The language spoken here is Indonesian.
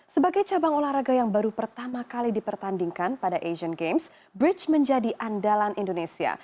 sebagai cabang olahraga yang baru pertama kali dipertandingkan pada asian games bridge menjadi andalan indonesia